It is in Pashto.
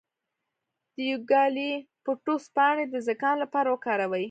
د یوکالیپټوس پاڼې د زکام لپاره وکاروئ